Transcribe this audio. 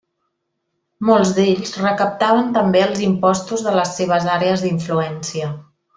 Molts d'ells recaptaven també els impostos de les seves àrees d'influència.